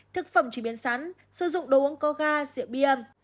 thức phẩm chỉ biến sắn sử dụng đồ uống co ga rượu bia